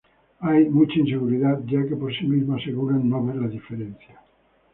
Hay mucha inseguridad ya que por sí mismo asegura no ver la diferencia.